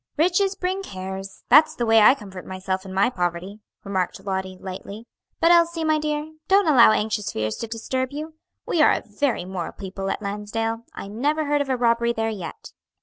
"Riches bring cares; that's the way I comfort myself in my poverty," remarked Lottie, lightly. "But, Elsie, my dear, don't allow anxious fears to disturb you; we are a very moral people at Lansdale; I never heard of a robbery there yet."